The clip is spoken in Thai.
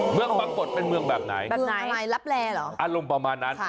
เมืองบังบดเป็นเมืองแบบไหนอารมณ์ประมาณนั้น